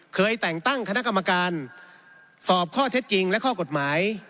เคยแต่งตั้งคณะกรรมการสอบข้อเท็จจริงและข้อกฎหมาย